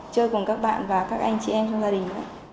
chơi cùng các bạn và các anh chị em trong gia đình nữa